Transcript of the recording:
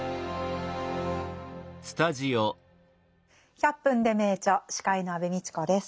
「１００分ｄｅ名著」司会の安部みちこです。